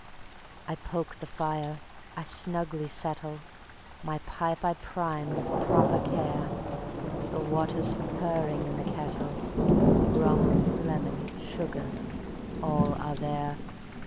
I poke the fire, I snugly settle, My pipe I prime with proper care; The water's purring in the kettle, Rum, lemon, sugar, all are there.